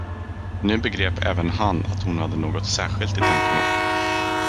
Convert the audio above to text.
Nu begrep även han att hon hade något särskilt i tankarna.